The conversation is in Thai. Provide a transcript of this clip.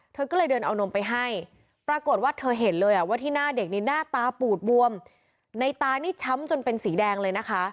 เธอก็เลยเดินเอานมไปให้ปรากฏว่าเธอเห็นเลยว่าที่หน้าเด็กนี่หน้าตาปูดบวมในตานี่ช้ำจนเป็นสีแดงเลยนะคะ